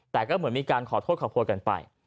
แต่ก็เหมือนกันขอโทษค่ะโพลกันไป